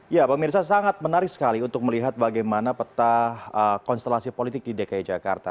ya pemirsa sangat menarik sekali untuk melihat bagaimana peta konstelasi politik di dki jakarta